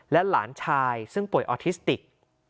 หลานชายซึ่งป่วยออทิสติก